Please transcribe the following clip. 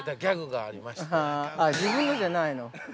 ◆ああ、自分のじゃないの？